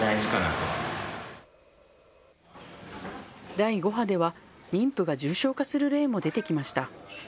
第５波では妊婦が重症化する例も出てきました。